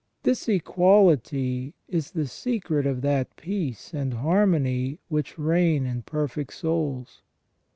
This equality is the secret of that peace and harmony which reign in perfect souls.